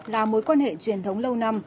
là mối quan hệ truyền thống lâu năm